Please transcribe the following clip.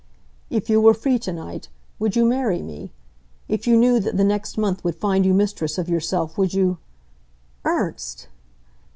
"If you were free to night, would you marry me? If you knew that the next month would find you mistress of yourself would you " "Ernst!"